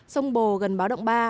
sông bồ gần báo động ba